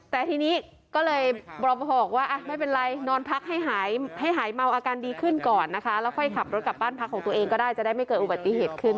แต่ทีนี้ก็เลยบอกว่าไม่เป็นไรนอนพักให้หายเมาอาการดีขึ้นก่อนนะคะแล้วค่อยขับรถกลับบ้านพักของตัวเองก็ได้จะได้ไม่เกิดอุบัติเหตุขึ้น